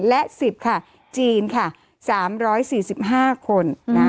และ๑๐ค่ะจีนค่ะ๓๔๕คน